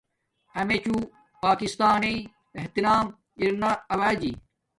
امیے چھو پاکستان نݵ احترام ارنا اوجی